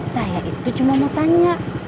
saya itu cuma mau tanya